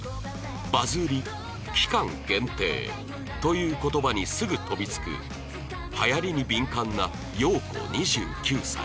「バズり」「期間限定」という言葉にすぐ飛びつく流行りに敏感な洋子２９歳